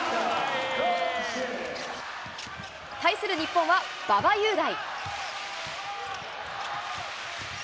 対する日本は、馬場雄大。